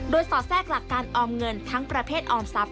โดยสอดแทรกหลักการออมเงินทั้งประเภทออมทรัพย